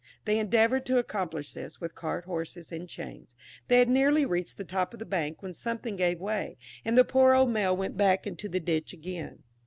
They endeavoured to accomplish this, with cart horses and chains. They had nearly reached the top of the bank when something gave way, and the poor old Mail went back into the ditch again.